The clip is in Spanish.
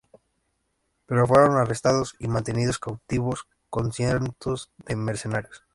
Pero fueron arrestados y mantenidos cautivos con cientos de mercenarios.